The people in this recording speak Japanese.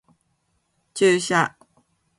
注射